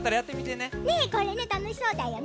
ねえこれねたのしそうだよね。